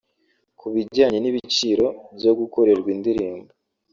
Ku bijyanye n’ ibiciro byo gukorerwa indirimbo